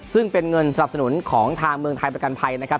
ซึ่งเป็นเงินสนับสนุนของทางเมืองไทยประกันภัยนะครับ